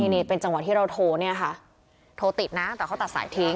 นี่เป็นจังหวะที่เราโทรเนี่ยค่ะโทรติดนะแต่เขาตัดสายทิ้ง